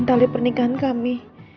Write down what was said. kuatkan tali pernikahan kami